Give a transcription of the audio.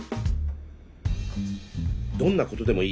どんなことでもいい。